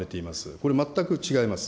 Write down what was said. これ、全く違います。